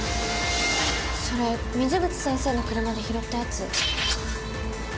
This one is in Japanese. それ水口先生の車で拾ったやつ。